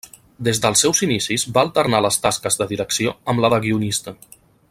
Des dels seus inicis va alternar les tasques de direcció amb la de guionista.